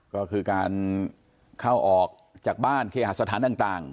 ก็คือการเข้าออกจากบ้านเคหสถานต่าง